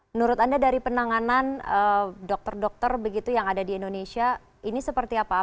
menurut anda dari penanganan dokter dokter begitu yang ada di indonesia ini seperti apa